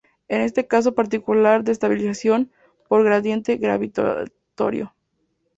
Este es un caso particular de estabilización por gradiente gravitatorio.